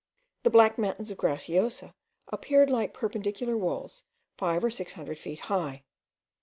The black mountains of Graciosa appeared like perpendicular walls five or six hundred feet high.